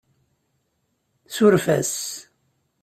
Suref-as.